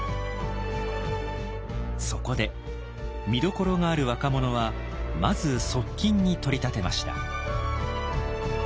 そこで見どころがある若者はまず側近に取り立てました。